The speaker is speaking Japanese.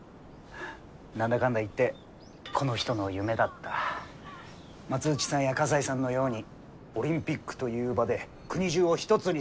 何だかんだ言ってこの人の夢だった松内さんや河西さんのようにオリンピックという場で国中を一つにする。